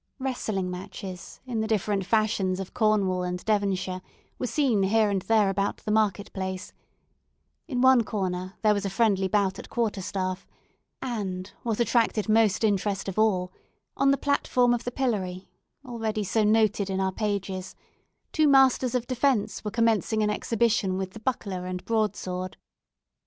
Wrestling matches, in the different fashions of Cornwall and Devonshire, were seen here and there about the market place; in one corner, there was a friendly bout at quarterstaff; and—what attracted most interest of all—on the platform of the pillory, already so noted in our pages, two masters of defence were commencing an exhibition with the buckler and broadsword.